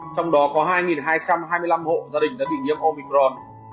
trong đó có hai hai trăm hai mươi năm hộ gia đình đã bị nhiễm opicron